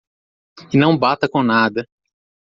E não bata com nada.